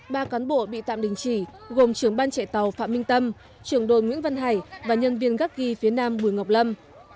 ba cán bộ bị tạm đình chỉ gồm trưởng ban chạy tàu phạm minh tâm trưởng đồn nguyễn văn hải và nhân viên gắt ghi phía nam bùi ngọc lâm